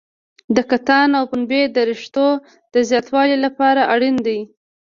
د کتان او پنبې د رشتو د زیاتوالي لپاره اړین دي.